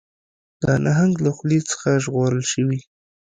د نهنګ له خولې څخه ژغورل شوي